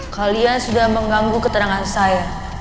kalian sudah mengganggu keterangan saya